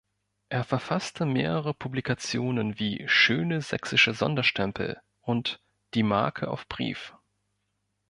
Er verfasste mehrere Publikationen wie „Schöne Sächsische Sonderstempel“ und „Die Marke auf Brief“.